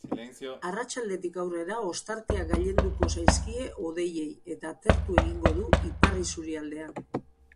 Arratsaldetik aurrera ostarteak gailenduko zaizkie hodeiei, eta atertu egingo du ipar isurialdean.